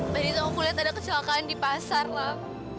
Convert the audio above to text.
baris aku liat ada kecelakaan di pasar lah